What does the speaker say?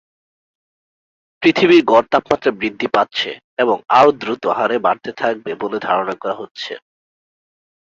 পৃথিবীর গড় তাপমাত্রা বৃদ্ধি পাচ্ছে এবং আরো দ্রুত হারে বাড়তে থাকবে বলে ধারণা করা হচ্ছে।